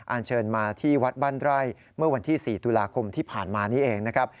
เชิญมาที่วัดบ้านไร่เมื่อวันที่๔ตุลาคมที่ผ่านมานี้เองนะครับ